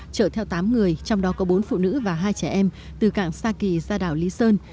chở theo tám người trong đó có bốn phụ nữ và hai trẻ em từ càng sa kỳ ra đảo lý sơn